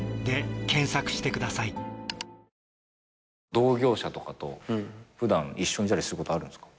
同業者とかと普段一緒にいたりすることあるんですか？